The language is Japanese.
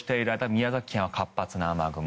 宮崎県は活発な雨雲。